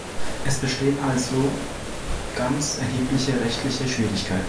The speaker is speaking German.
Es bestehen also ganz erhebliche rechtliche Schwierigkeiten.